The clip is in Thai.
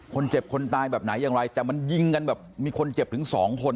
คนเจ็บคนตายแบบไหนอย่างไรแต่มันยิงกันแบบมีคนเจ็บถึงสองคน